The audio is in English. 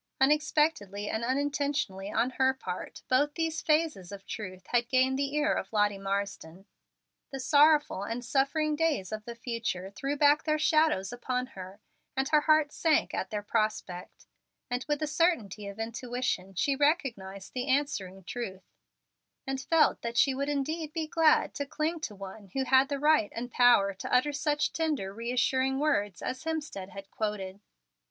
Unexpectedly and unintentionally on her part, both these phases of truth had gained the ear of Lottie Marsden. The sorrowful and suffering days of the future threw back their shadows upon her, and her heart sank at their prospect; and with the certainty of intuition she recognized the answering truth, and felt that she would indeed be glad to cling to One who had the right and power to utter such tender, reassuring words as Hemstead had quoted.